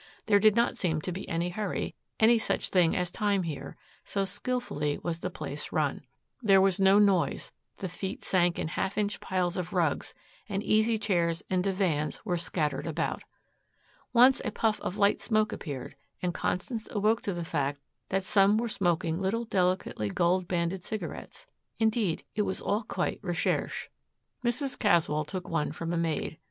There did not seem to be any hurry, any such thing as time here, so skilfully was the place run. There was no noise; the feet sank in half inch piles of rugs, and easy chairs and divans were scattered about. Once a puff of light smoke appeared, and Constance awoke to the fact that some were smoking little delicately gold banded cigarettes. Indeed it was all quite recherche. Mrs. Caswell took one from a maid.